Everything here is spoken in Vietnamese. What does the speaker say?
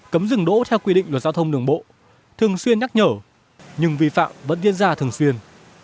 cấm dừng đỗ theo quy định luật giao thông đường bộ thường xuyên nhắc nhở nhưng vi phạm vẫn diễn ra thường xuyên